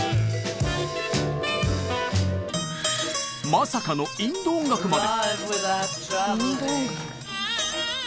まさかのインド音楽まで。